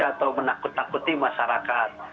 atau menakut takuti masyarakat